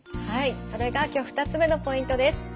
はいそれが今日２つ目のポイントです。